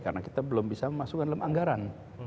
karena kita belum bisa memasukkan lem anggaran